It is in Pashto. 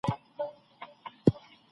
انسان د خپلو اعمالو مسؤل دی.